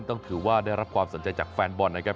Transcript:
ต้องถือว่าได้รับความสนใจจากแฟนบอลนะครับ